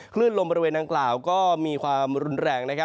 คลื่นลมบริเวณดังกล่าวก็มีความรุนแรง